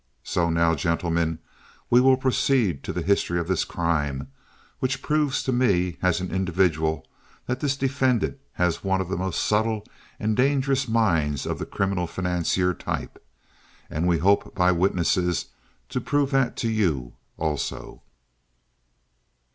So now, gentlemen, we will proceed to the history of this crime, which proves to me as an individual that this defendant has one of the most subtle and dangerous minds of the criminal financier type, and we hope by witnesses to prove that to you, also."